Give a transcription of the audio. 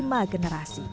saya dari generasi kelima